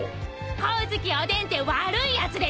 光月おでんって悪いやつでしょ？